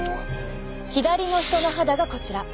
左の人の肌がこちら。